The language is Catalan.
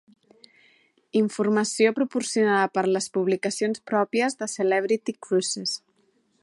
"Informació proporcionada per les publicacions pròpies de Celebrity Cruises"